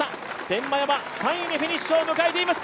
天満屋は３位でフィニッシュを迎えています。